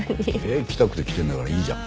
来たくて来てるんだからいいじゃん。